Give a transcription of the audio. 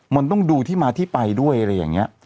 มันต้องดูที่มาที่ไปด้วยอะไรอย่างนี้